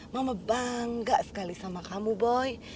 mama bangga sekali sama kamu boy